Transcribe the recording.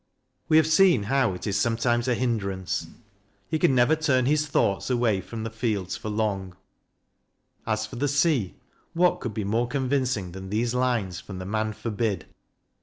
We have seen how 204 CRITICAL STUDIES it is sometimes a hindrance. He can never turn his thoughts away from the fields for long. As for the sea, what could be more convincing than these lines from the "Man Forbid"?